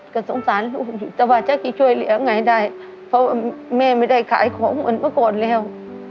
ก็สงสารค่ะลูกอะไรก็ได้นะเพราะพี่แหมมันด้วยไม่ได้ขายของเหมือนปโกนแล้ว